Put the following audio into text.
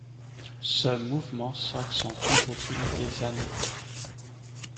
Ce mouvement s'accentue au fil des années.